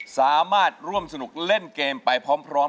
สามารถร่วมสนุกเล่นเกมไปพร้อม